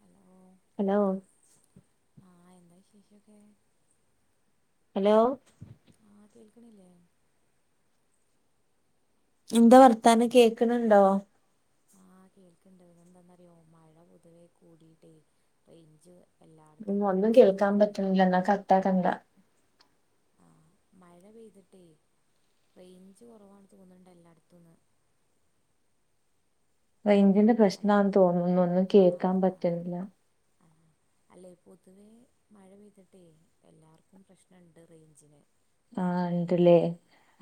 Hello hello ആഹ് എന്താ ശേഷൊക്കെ [inaudible] hello [inaudible] എന്താ വർത്താനം കേക്കണണ്ടോ അകേൾക്കുന്നുണ്ട് പിന്നെ എന്നറിയോ മഴ പൊതുപെ കൂട്ടീട്ടെ റെയ്ഞ്ച് ഉ ഒന്നും കേൾക്കാൻ പറ്റുന്നില്ല എന്ന കട്ടാക്കണ്ട മഴ പെയ്തിട്ടേ റേഞ്ച് കൊറവാണെന്ന്തോന്നണ്ട എല്ലായിടത്തുന്ന് റെയിഞ്ചിന്റെ ഹലോ പ്രശ്നാന്ന് േതാന്നുന്നു ഒന്നുംകേക്കാൻ ആഹ് ആഹ് പറ്റുന്നില്ല [unintelligible] [unintelligible] ആഹ ഉണ്ടല്ലേ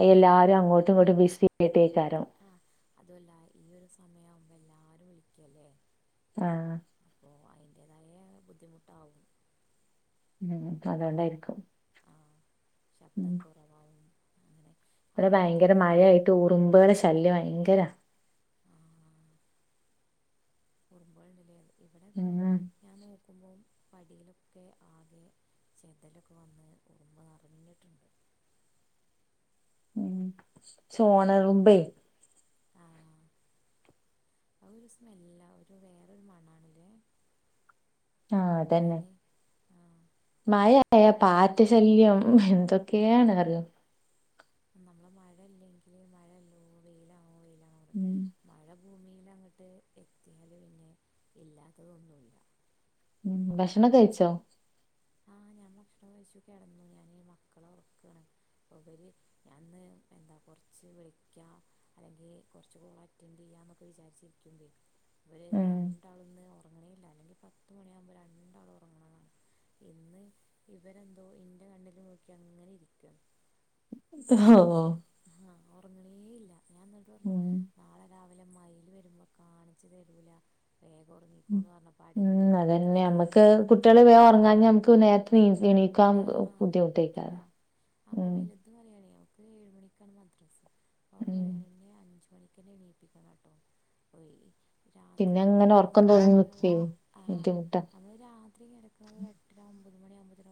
അ എല്ലാരും അങ്ങോട്ടും ഇങ്ങോട്ടും ബിസി ആയിട്ടേ [unintelligible] അതല്ല ഈ ഒരു സമയവുമ്പോ എല്ലാരും വിളിക്കല്ലേ ആ അതിൻറേതായ ബുദ്ധിമുട്ടാവും അതുകൊണ്ടായിരിക്കും ആ ശബ്ദം കുറവാവുംവും [unintelligible] അവടെ ഭയങ്കര മഴയായിട്ട് ഉറുമ്പുകള് ആ കുറുമ്പോൾണ്ടല്ലേ ഇവിടെപ്പോ ഉം ഞാൻ നോ [unintelligible] പടിയിലൊക്കെ ആകെ ചെതലൊക്കെ വന്ന് ഉറുമ്പ് നിറഞ്ഞിട്ടുണ്ട് [unintelligible] ചോണനുറുമ്പ ആ അത ഒരു സ്മെല്ലാ ഒരു വേറരു മണ്ണാണല്ലേ ആ അത് തന്നെ ആ മഴ അയാൾ പാറ്റ ശല്യം എന്തൊക്കെയാണ് അറിയാം നമ്മളെ മഴയില്ലെങ്കില് മഴല്ലോ വെയിലാണോ വെയില ഉം ഭൂമിയിൽ അങ്ങട്ട് എത്തിയാല് പിന്നെ ഇല്ലാത്തതൊന്നുല്ല ഉം ഭക്ഷണം കഴിച്ചോ ആ ഞ എല്ല ഭക്ഷണം കഴിച്ചു കിടന്നു ഞാന് മക്കളെ ഒറക്കാണ് ഇവര് ഞാന്ന് എന്താ പൊ ച്ച് വിളിക്കാം അല്ലെങ്കി കുറച്ച് കോൾ അറ്റൻഡ്യ്യാം എന്നൊക്കെ വിചാരിച്ചിരിക്ക്ൻ ഇവര് ഉം രണ്ടാളുന്ന് ഒറങ്ങണേല്ല അല്ലെങ്കിൽ പത്ത്മണിയകുമ്പ രണ്ടാളും ഒറങ്ങണതാണ് ഇന്ന് ഇവരെന്തോ ഇന്റെ കണ്ണില് നോക്കി അങ്ങനെ ഇരിക്ക ഹോ ഞാൻന്നിട്ട് പറഞ്ഞു ഉം നാളെ രാവിലെ മയില് വരുമ്പോ കാണിച്ച് തരൂല വേഗം ഉ ഉറങ്ങിക്കോന്ന് പറഞ്ഞപ്പോ അടങ്ങി ഉം ഒരു ഭാഗത്തേക്ക് അതന്നെ മ്മക്ക് തിരിഞ്ഞ് കിടന്നു കുട്ടിള് വേ ഒറങ്ങാഞാ നമുക്ക് നേര്തെ നീ എണീ ആഹ് പറ്റൂല അപ്പൊ [unintelligible] വലുത് പറയണേ അവക്ക് ഏഴ് മണിക്കാണ് മദ്രസ് അവള് ഉം വരണങ്കിൽ അഞ്ച് മണി പിന്നെ എണീപ്പിക്കണോട്ടോ പിന്നെ അങ്ങനെ ഒറക്കം തൂങ്ങിനിക്കേ ആഹ് ബുദ്ധിമുട്ട് നമ്മള് രാത്രി കെടക്ക്‌ണത് ഒരു എട്ടര ഒമ്പത് മണിവുമ്പോ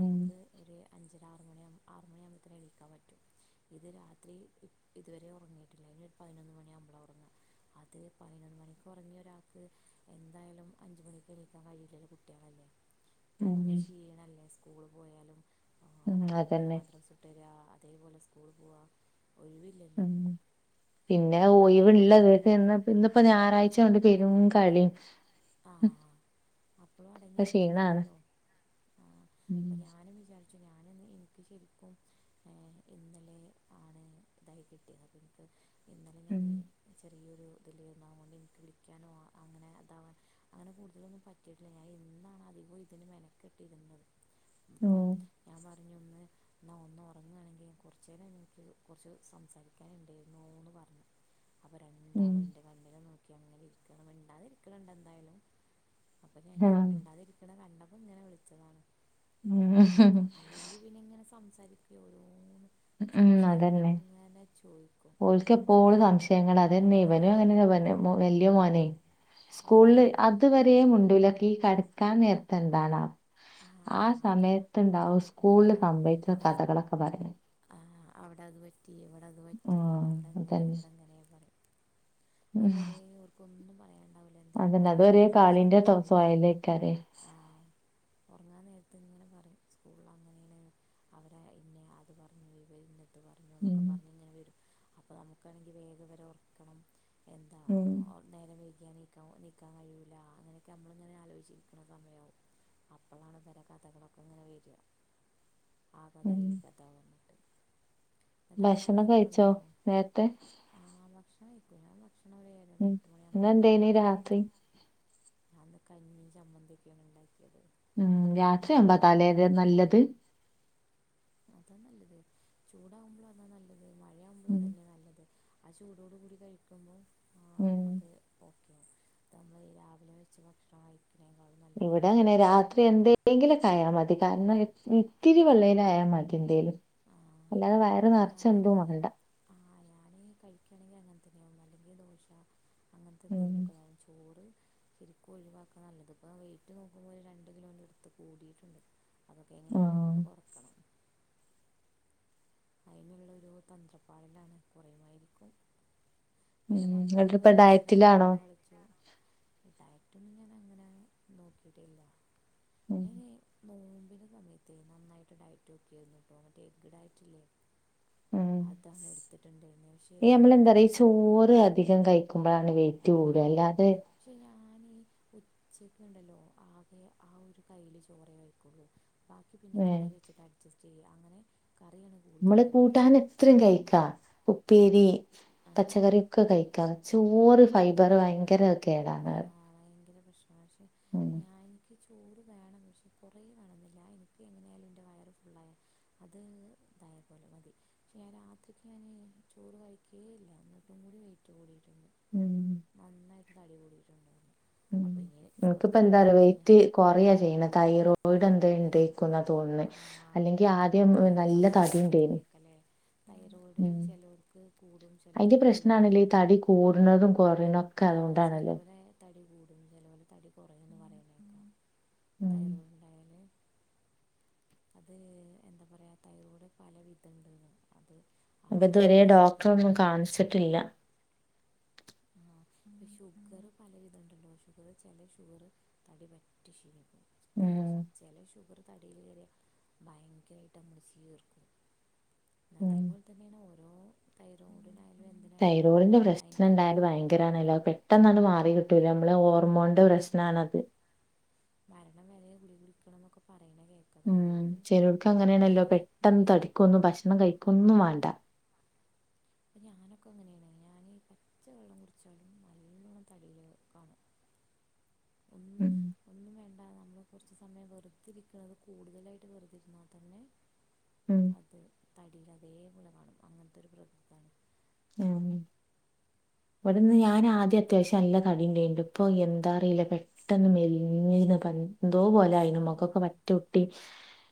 ഉം ഒര് അഞ്ചര ആറ് മണി ആറ്മണി ആകുമ്പഴത്തിന് എണീക്കാൻ പറ്റും ഇത് രാത്രി ഇതുവരെ ഒറങ്ങിയിട്ടില്ല ഒര് പതിനൊന്ന് മണിയാവുമ്പള ഒറങ്ങ അത് പതിനൊന്ന് മണിക്ക് ഒറങ്ങിയ ഒരാക്ക് എന്തായാലും അഞ്ച് മണിക്ക് എണീക്കാൻ കഴിയില്ലല്ലോ കുട്ടിളല്ലേ ഉം പിന്നെ ക്ഷീണല്ലേ സ്കൂള് പോയാലും ഉം പിന്നെ അതന്നെ മദ്രസട്ടര അതേപോലെ സ്കൂൾ പോവാ ഉ പിന്നെ അപ്പോൾ അവളിങ്ങനെ പറയുകയാണേ ഒയിവ്ള്ളദിവസ ഇന്നിപ്പോ ഞായറാഴ്ച യാണ്ട് പെരും കളീം ആ അപ്പളും ഇപ്പൊ ക്ഷീണാണ് അടങ്ങിയിരിക്ക്‌ണില്ലല്ലോ ആ ഉം അപ്പൊ ഞാനും വിചാരിച്ചു ഞാനൊന്ന് [unintelligible] ഏ ഇന്നലെ ആണ് [unintelligible] ഉം ചെറിയൊരു ഇതിലേന്നു അതോണ്ട് ഇൻക് വിളിക്കാനോ അങ്ങനെതാവാൻ അങ്ങനെ കൂടുതലൊന്നും പറ്റിയിട്ടില്ല ഞാൻ ഇന്നാണ് അധികവും ഇതിന് മെനക്കെട്ടിരുന്നത് അപ്പം ഉം ഞാൻ പറഞ്ഞൊന്ന് ന്നാ ഒന്ന് ഒറങ്ങാണെങ്കിൽ കൊറച്ചേര ഇൻക്ക് കൊറച്ച് സംസാരിക്കാനുണ്ടേര്ന്നുന്ന് പറഞ്ഞു അപ്പ ഉം രണ്ടാളു ഇന്റെ കണ്ടിലു നോക്കി അങ്ങനെ ഇരിക്കാണ് മിണ്ടാത് ഇരിക്കണ് ന്ത അപ്പൊ ഞാന് ആഹ് മിണ്ടാതിരിക്കണ കണ്ടപ്പോ ഇങ്ങനെ വിളിച്ചതാണ് ഉം സാരിക്കെ ഓരോന്ന് സംശയങ്ങള് ഇങ്ങനെ ചോയ്‌ക്കും ഓൽകെപ്പോളും സംശയങ്ങളാ അതെന്നെ ഇവനും അങ്ങൻതന്നേ വല്യയ മോനെ സ്കൂൾ ഉറങ്ങിയോ അതുവരെ മുണ്ടൂല ഇ കടക്കാൻ നേരത്തെഎന്താണാ ആ അതെ സമയത്ത്ണ്ടാവും ആ സ്കൂൾല് സംഭവിച്ച കഥകളൊക്കെ പറയാൻ ആ, അവിടെ അതു പറ്റി ഇവിടെ അതു പറ്റി ആഹ് അവിടെങ്ങനെ അതന്നെ ഇവിടെങ്ങനെ പറയും അഹ് ഉം വരെ ഓൽക് ഒന്നും പ അതന്നെ അത് ഒര് കളിന്റെ ഉണ്ടാവില്ല സൊഹലേയ്‌ക്കാരെ ഒറങ്ങാൻ നേരത്ത് ഇങ്ങനെ പറിം സ്കൂൾ അങ്ങനെണ് അവര ഇന്ന അ പറഞ് ഇവര്ന്നത്ത് പറഞ്ഞുന്നൊക്കെ ഉം പറഞ്ഞിങ്ങനെ വരും അപ്പൊ നമുക്കാണെങ്കി വേഗവരെ ഒറക്കണം എന്താ ഉം നേരവൈ കെയാ നീക്ക നീക്കാ കയൂല അങ്ങനെയൊക്കെ മ്മളിങ്ങനെ ആലോചിച്ചിരിക്കണ സമയാവും അപ്പളാണ് ഇവരെ കഥകളൊക്കെങ്ങനെ വര ആ കഥ ഉം ഈ കഥ വന്നിട്ട് എന്നിട്ട് അവിടെ ഭക്ഷണം എല്ലാവരും കഴിച്ചോ നേര്ത്തെ ഞാ കഴിക്കും ഞാ ഉം ഇന്നെന്തേനി രാത്രി ഞാന്ന് കഞ്ഞീ ചമ്മന്തിയൊക്കേണ് ണ്ടാക്കി ഉം രാത്രിയാവുമ്പോ അതാലേ ഇല്ലേ നല്ലത് അതാ നല്ലത് ചൂടാവുമ്പളും അതാ നല്ലത് മയ് ഉം ആ ചൂടോട് കൂടി കഴിക്കുമ്പോ ഉം അതെ തമ്മൾ രാവിലെ വെച്ചഭക്ഷണം കഴിക്ക്ണത്തിന്ന് കുഴപ്പംഉ ഇവിടെ അങ്ങനെ രാത്രി എന്തെങ്കിലൊക്കെ ആയാൽ മതി കാരണം ഇൻ ഇത്തിരി വെള്ളയേലും ആയാൽ മതി എന്തേലും. അല്ലാതെ വയറ് നിറച്ച് എന്തും വേണ്ട. ങ്കിൽ കഴിക്കായാണെങ്കിൽ അങ്ങനത്തന്നെയാവും അല്ലെങ്കിൽ ദോശ അങ്ങനത്തെ ഉം എന്തെങ്കലുമൊക്കെയാകും ചോറ്- ശരിക്കും ഒഴിവാക്കാ നല്ലത് ഇപ്പൊ വെയിറ്റ് നോക്കുമ്പോ ഒരു രണ്ട് കിലോൻ്റെടുത്ത് കൂടി ട്ട്ണ്ട്. അതൊക്കെ ആഹ് എങ്ങനേലൊക്കൊന്ന് കൊറക്കണം. അയ്നുള്ളൊരു തന്ത്രപാടിലാണ് കുറയുമായിരിക്കും. ഉം പിന്നെ മക്കള കൂടെ എന്നിട്ടിപ്പ കൊറചേരം സൂമ്പ ഡയറ്റിലാണോ? കളിച്ചു മുട്ടായി ട്ടും ഞാൻ അങ്ങനെ നോക്കിട്ടില്ല. ഉം. നോമ്പിന് സമയത്തെ നന്നായിട്ട് ഡയറ്റ് ഓക്കിയിരുന്നു ട്ടോ ഇന്നട്ടെ ഡയറ്റ്ല്ലെ ഉം അതാണ് എടുത്തിട്ടുണ്ട് ഇന്നു. പക്ഷേ ഈ അതൊന്നും ഇപ്പൊ. താണ് വൈറ്റ് കൂട അല്ലാതെ. ഞാനീ ഉച്ചക്ക് ഇണ്ടല്ലോ ആകെ ആ ഒരു കയ്ല് ചോറേ കഴിക്കൊള്ളു. ബാക്കി പിന്നെ ഏഹ് കറി വെച്ചിട്ട് അഡ്ജസ്റ്റ് ചെയ്യ അങ്ങനെ. കറിയാണ് കൂടുതൽ അമ്മള് കഴിക്കുക കൂട്ടാൻ എത്രിം കഴിക്കാ ഉപ്പേ രി ആ, പച്ചകറിയൊക്കെ കഴിക്കാ ചോറ് ഫൈബർ ഭയങ്കര കേടാണ്. പക്ഷെ ഉം ഞാനിക്ക് ചോറ് വേണം പക്ഷേ കൊറേ വേണമെന്നില്ല എനിക്ക് എങ്ങനായാലും എൻ്റെ വയറ് ഫുള്ളായ അത്. തായേപോലെ മതി പക്ഷേ ഞാൻ രാത്രിക്ക് ഞാൻ ചോറ് കഴിക്കേയില്ല എന്നിട്ടും കൂടി വൈറ്റ് കൂടി. ഉം നന്നായിട്ട് തടി കൂടിട്ടുണ്ടായിരുന്നു. മ്മ് ന്ക്ക്പ്പോന്താ അറിയോ വൈറ്റ് കൊറയാ ചെയ്ണ് തൈറോ ഡ് എന്തേണ്ടെക്കുമ്ന്ന തോന്നുന്നെ ആ അല്ലെങ്കി ആദ്യം അത് നല്ല അങ്ങനെ തടി ഇണ്ടേനു പറിണ്കേക്കലെ തൈറോയ്ഡ് ചേലോൽക്ക് കൂടും ചേലോൽക്ക് പ്രശ്നണാണല്ലേ ഈ തടി കൂട്ണതും കൊറയുണൊക്കെ അതൊണ്ടണലൊ. മ്മ് ചേലോല തടി കുറയുന്ന് പറിണേക്ക. ഉം. അത് എന്താ പറയ തൈറോയ്ഡ് പല വിധണ്ട് ന്ന് അത്. ആ അപ്പൊ ഇത് വരേ ഇപ്പോൾ ഷുഗർ ഡോക്ടറൊന്നു കാണിച്ചിട്ടില്ല. ഷുഗർ പല വിധ ണ്ട് ട്ടോ ഷുഗർ ചില ഷുഗർ തടി പറ്റി ശു തെ ഉം ചെല ശുഗർ. തടിൽ കേറിയ ഭയങ്കരായിട്ട് നമ്മൾ ചീർക്കും ഉം അതെപ്പോല്തന്നെണ് ഓ ഓ തൈറോയ്ഡിന തൈറോഡിന്റെ പ്രശ്ണം ഉണ്ടായാല് ഭയങ്കരാണലൊ പെട്ടെന്നത് മാറി കിട്ടൂല നമ്മളെ ഓ മോൻന്റെ പ്രശ്നാണത്. വിളിക്കണന്നൊക്കെ പർ ഉം ചെലൊർക്ക് അങ്ങനെണല്ലോ ഉണ്ടായാൽ പെട്ടെന്ന് തടിക്കൊന്നും ഭക്ഷണം കഴിക്കൊന്നും വാണ്ട. അപ്പ ഞാനൊക്കെ അങ്ങനെണ് ഞാൻ പച്ച വെള്ളം കുടിച്ചലും നല്ലോണ്ണം തടികേ കാണും. ഒന്നും ഉം. ഒന്നും വേണ്ട നമ്മളെകുറിച്ച് സമയം വെറുത്തിരിക്കുന്നത് കൂടുതലായിട്ട് വെറുതിരുന്നാൽ തന്നെ. ഉം അത് തടീൽ അതേപോലെ കാണും അങ്ങൻത്തെ ഒരു പ്രകൃ താണ്. ആഹ്. ഇവിടെന്ന് ഞാൻ ആദ്യം അത്യാവശ്യം നല്ല തടിണ്ടുണ്ട് ഇപ്പൊ എന്താ അറിയില്ല പെട്ടെന്ന് മെലിഞ്ഞിരുന്ന് എന്തോ പോലെയി ആണോ നമ്മക്കൊക്കെ മറ്റ കുട്ടി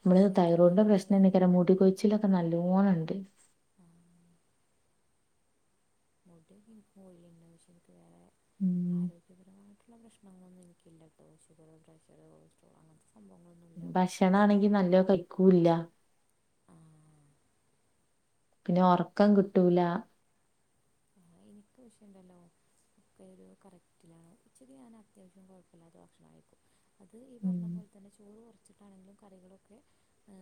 നമ്മള് എത്ര തൈറോയിഡിന്റെ പ്രശ്നം കിലോനായി തന്നക്ക മുട കൊയ്ച്ചിലൊക്കെ നല്ലോണണ്ട് ആ, [unintelligible] ഉല്ല ഉം പ്രശ്നങ്ങളൊന്നും എനിക്കില്ല കേട്ടോ ഷുഗർ പ്രഷറ്റ്റോ അങ്ങനെ ഭക്ഷണ ആണെങ്കി നല്ലോ കഴിക്കൂല്ല ആഹ പിന്നെ ഒറക്കം കിട്ടൂല ആ എനിക്ക് വിഷയല്ലല്ലോ ഒക്കെ ഒരു കറക്റ്റിലാണ് ഉച്ചക്ക് ഞാൻ അത്യാവശ്യം കൊഴപ്പമില്ലാത്ത ബക്ഷണം കയ്ക്കും അത് ഈ ഉം പറഞ്ഞ പോലെ തന്നെ ചോറ് [unintelligible] വച്ചിട്ടാണെങ്കിലും കറികളൊക്കെ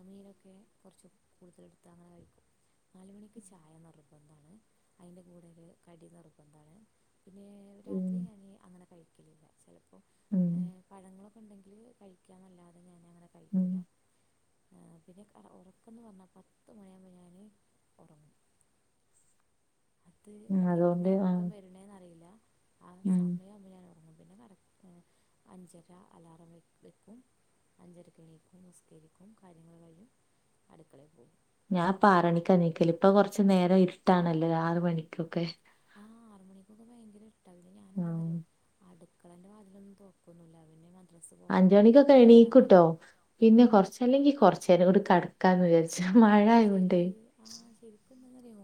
മീനൊക്കെ കുറച്ച് കൂടുതലെടുത്ത് അങ്ങനെ കഴിക്കും നാലുമണിക്ക് ചായന്ന്റക്കതാണ് അതിന്റെ കൂടുതൽ കടി നിർബന്ദാണ് പിന്നെ ഉം രാത്രി ഞാൻ അങ്ങനെ കഴിക്കലില്ല ചിലപ്പോൾ ഉം അപ്പോൾ പഴങ്ങളൊക്കെ ഉണ്ടെങ്കിൽ കഴിക്കാൻ നല്ലാതെ ഞാൻ ഉം ആ പിന്നെ ഉറക്കന്ന് പറഞ്ഞാ പത്ത മണിയാമ്പോ ഞാന് ഒറങ്ങും അത് ഉം അതുകൊണ്ട് എവിടുന്നാ ആ ഒറക്കം വരണേന്നറിയില്ല ആ ഉം സമയാവുമ്പോ ഞാൻ ഉറങ്ങും പിന്നെ കറക്റ്റ് അഞ്ചര അലാറം വ വെക്കും അഞ്ചരക്കിണിക്കും മുസ്കേരിക്കും കാര്യങ്ങൾ കഴും അടുക്കളയിൽ പോകും ഞാൻ ഇപ്പ ആറണിക്കാ നീക്കല ഇപ്പൊ കൊറച്ചു നേരം ഇരിട്ടാണല്ലോ ആറ് മണിക്കൊക്കെ ആ ആറ് മണിക്കൊക്കെ ആഹ അടുക്കളന്റെ വാതിലൊന്നും തൊർന്നിടുലാ അവെ- അഞ്ച മണിക്കൊക്കെ എണീക്കൂട്ടോ ആ പിന്നെ കുറച്ചല്ലെങ്കി കുറച്ചേര കൂടി കടക്കാന്ന് വിചാരിച്ചു മഴ ആയോണ്ടെ അറിയോ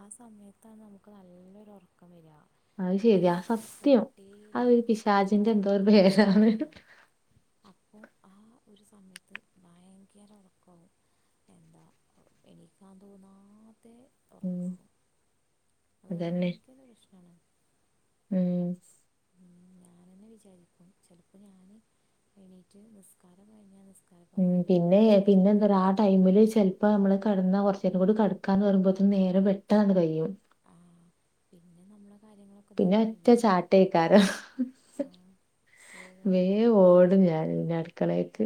ആ സമയത്താണ് നമുക്ക് നല്ലൊരു ഉറക്കം വരിക അത് ശെരി എപ്പോഴൊന്നും ആ നമുക്ക് ഉറക്കം സത്യം കിട്ടുകയേ അതൊ ഇല്ല ഒരു പിശാചിന്റെ എന്തോ ഒരു പേരാണ് ആ അപ്പോൾ ആ ഒരു സമയത്ത് ഭയങ്കര ഉറക്കവും എന്താ എനിക്കാ തോന്നാ ത്തെ ഉം ഉറക്കും അത് അതന്നെ ഭയങ്കര ഇഷ്ടമാണ് ഉം ഞാാനെന്നെ വിചാരിക്കും ചിലപ്പോൾ ഞാൻ എണീറ്റ് നിസ്കാരം കഴിഞ്ഞ ഉം പിന്നെ പിന്നെ എന്താ പറ ആ ടൈമില് ചിലപ്പോ നമ്മ കിടാ കുറച്ചേന കൂ കടക്കാന്ന് പറയുമ്പോഴന് നേരം പെട്ടെന്ന് കഴിയും ആ പിന്നെ നമ്മള പിന്നെ ഒറ്റ ചാട്ടയ്ക്കാരം ആ, വേഗം വേ ഒക്കെ ഓടുംഞാൻ ശരിയാക്കണം പിന്നെ അടുക്കളേക്ക്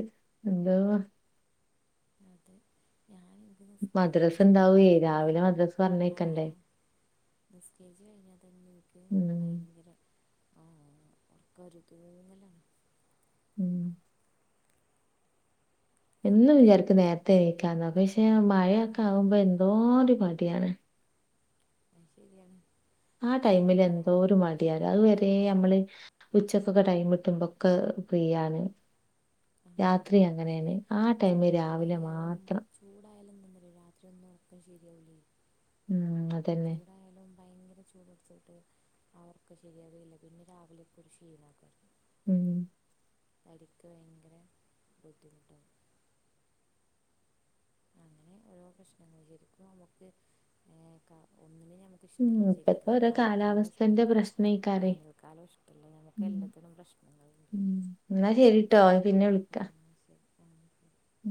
എന്താ അതെ ഞാൻ ഇന്റെ നിസ് മദ്രസ് ഉണ്ടാവേ രാവിലെ മദ്രസ്സ് ആ പറഞ്ഞേക്കണ്ടേ നിസ്കരിച്ച് കഴിഞ്ഞാൽ തന്നെ എനിക്ക് ഉം ഭയങ്കര ആഹ ഉറക്കരിക്കന്നല്ലാണ് ഉം എന്നും വിചാരിക്ക് നേരത്തെ നീക്കാന്ന പക്ഷെ ആ മഴയൊക്കെ ആകുമ്പോ എന്തോ ഒരു മടിയാണ് അ ശരിയാണ് ആ ടൈമിൽ മഴ എന്തോ ഒരു മടിയാല അതുവരെ ആ നമ്മള് ഉച്ച ഒക്കെ ടൈം കിട്ടുമ്പോൊക്കെ ഫീ ആണ് രാത്രി പക്ഷേ അങ്ങനെയാണ് ആ ടൈമില് രാവിലെ മാത്രം എന്നൽ രാത്രി ഒന്നും ഒർക്കം ശേരിയാവൂലേ ഉം അതന്നെ ചൂടായാലും ഭയങ്കര ചൂടെടുത്തിട്ടു അവർക്ക് ശരിയാവേയില്ല പിന്നെ രാവിലെ ഇപ്പോരു ക്ഷീണമാക്കുവാ ഉം അരിക്ക് ഭയങ്കര ബുദ്ധിമുട്ടാണ്. അങ്ങനെ ഓരോ പ്രശ്നങ്ങൾ ശരിക്കും നമുക്ക് ഏ ഒന്നിനു നമുക്ക് ഉം ഇഷ്ടല്ല ഇപ്പത്തെ ശരിക്കും ഓരോ മഴക്കാലോ കാലാവസ്ഥന്റെ ഇഷ്ടല്ല പ്രശ്നേക്കാരെ വേനൽക്കാലോ ഇഷ്ടല്ല നമുക്ക് ഉം എല്ലാത്തിനും പ്രശ്ന ഉം എന്നാ ശരിട്ടോ പിന്നെ വിളിക്ക. ആ ശരി ആ ശരി ഉം